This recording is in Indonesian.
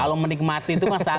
kalau menikmati itu kan